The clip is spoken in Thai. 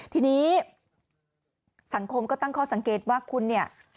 ทีนี้สังคมก็ตั้งข้อสังเกตว่าคุณเนี่ย